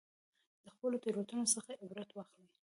د خپلو تېروتنو څخه عبرت واخلئ.